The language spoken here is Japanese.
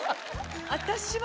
私は。